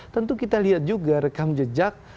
tentu kita lihat juga rekam jejak